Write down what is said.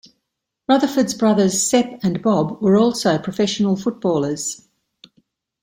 Rutherford's brothers Sep and Bob were also professional footballers.